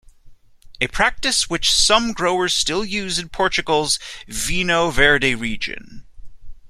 A practice which some growers still use in Portugal's Vinho Verde region.